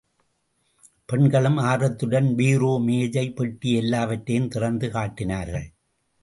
பெண்களும் ஆர்வத்துடன் பீரோ, மேஜை.பெட்டி எல்லாவற்றையும் திறந்து காட்டினார்கள்.